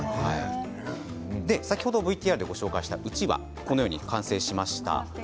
先ほどＶＴＲでご紹介したうちわ完成しました。